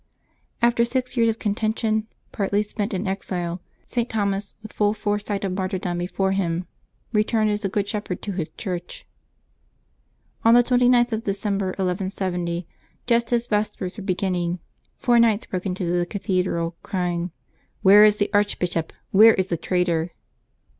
After six years of contention, partly spent in exile, St. Thomas, with full foresight of martyrdom before him, returned as a good shepherd to his Church. On the 29th of December, 1170, just as vespers were beginning, four knights broke into the cathedral, crying :" Where is the archbishop? where is the traitor?"